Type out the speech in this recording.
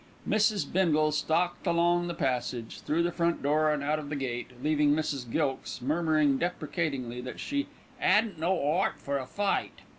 Mrs. Bindle stalked along the passage, through the front door and out of the gate, leaving Mrs. Gilkes murmuring deprecatingly that she "'adn't no 'eart for a fight."